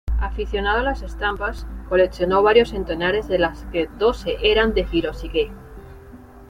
Aficionado a las estampas, coleccionó varios centenares de las que doce eran de Hiroshige.